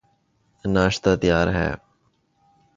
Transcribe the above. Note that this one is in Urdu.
ناشتہ تیار ہے